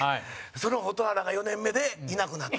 その蛍原が４年目でいなくなった。